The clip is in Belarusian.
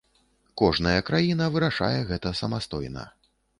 Кожная краіна вырашае гэта самастойна.